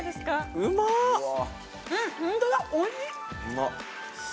うまっ！